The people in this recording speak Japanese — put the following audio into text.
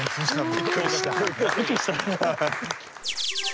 びっくりした？